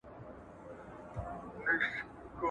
زړه راکښونکې غوښتنه پنځولې ده